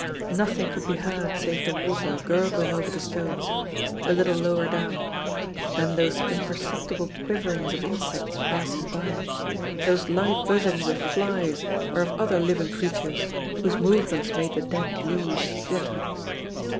Nothing could be heard save the water gurgling over the stones, a little lower down, then those imperceptible quiverings of insects passing by, those light buzzings of flies or of other living creatures whose movements made the dead leaves flutter.